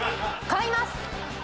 買います！